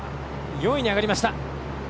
４位に上がりました。